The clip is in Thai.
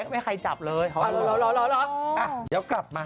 ที่ชมตูเนี่ยนะ